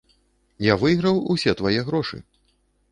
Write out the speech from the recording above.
Я выйграў усе твае грошы.